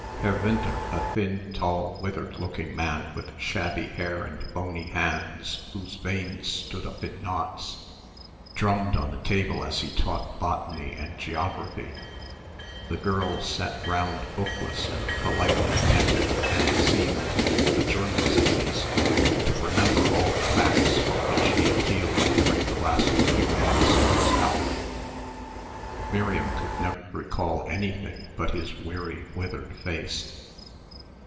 Herr Winter, a thin tall withered looking man with shabby hair and bony hands whose veins stood up in knots, drummed on the table as he taught botany and geography. The girls sat round bookless and politely attentive and seemed, the Germans at least, to remember all the facts for which he appealed during the last few minutes of his hour. Miriam could never recall anything but his weary withered face.